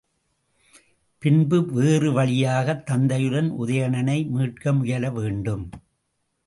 பின்பு வேறு வழியாகத் தத்தையுடன் உதயணனை மீட்க முயல வேண்டும்.